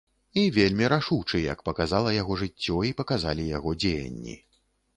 І вельмі рашучы, як паказала яго жыццё і паказалі яго дзеянні.